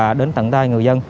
và đến tận tay người dân